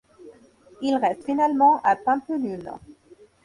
Il reste finalement à Pampelune.